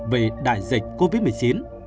vì đại dịch covid một mươi chín